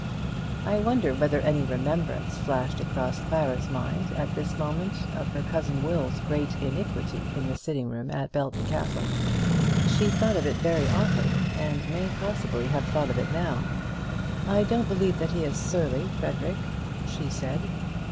I wonder whether any remembrance flashed across Clara's mind at this moment of her cousin Will's great iniquity in the sitting room at Belton Castle. She thought of it very often, and may possibly have thought of it now. "I don't believe that he is surly, Frederic," she said.